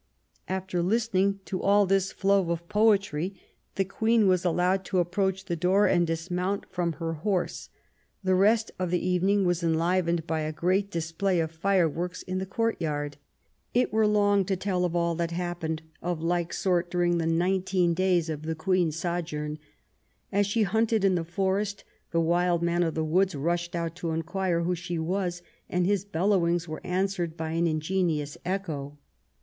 After listening to all this flow of poetry the Queen was allowed to approach the door and dismount from her horse. The rest of the evening was enlivened by a great display of fireworks in the courtyard. It were long to tell of all that happened of like sort during the nineteen days of the Queen's sojourn. As she hunted in the forest the Wild Man of the Woods rushed out to inquire who she was, and his bellow ings were answered by an ingenious echo.